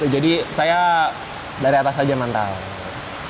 jadi saya dari atas saja mantap